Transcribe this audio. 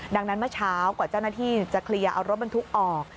ดังนั้นเมื่อเช้ากว่าเจ้าหน้าที่จะเคลียร์เอารถบรรทุกออก